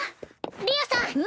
りおさん！